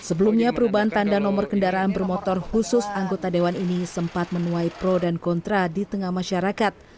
sebelumnya perubahan tanda nomor kendaraan bermotor khusus anggota dewan ini sempat menuai pro dan kontra di tengah masyarakat